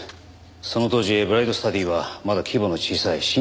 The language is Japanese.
その当時ブライトスタディはまだ規模の小さい新興企業でした。